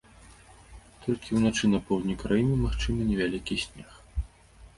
Толькі ўначы па поўдні краіны магчымы невялікі снег.